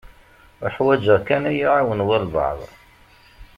Uḥwaǧeɣ kan ad yi-iɛawen walebɛaḍ.